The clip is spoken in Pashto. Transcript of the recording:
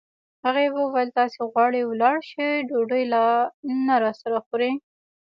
هغې وویل: تاسي غواړئ ولاړ شئ، ډوډۍ لا نه راسره خورئ.